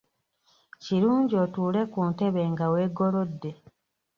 Kirungi otuule ku ntebe nga weegolodde .